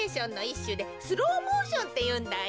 しゅでスローモーションっていうんだよ。